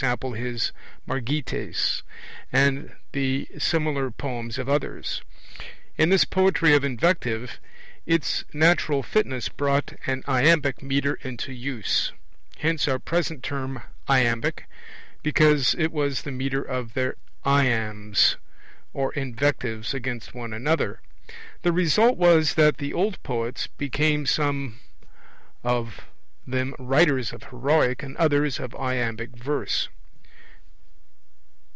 his Margites, and the similar poems of others. In this poetry of invective its natural fitness brought an iambic metre into use; hence our present term 'iambic', because it was the metre of their 'iambs' or invectives against one another. The result was that the old poets became some of them writers of heroic and others of iambic verse.